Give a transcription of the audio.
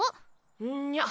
うんにゃ。